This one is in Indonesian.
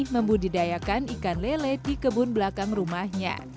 membudidayakan ikan lele di kebun belakang rumahnya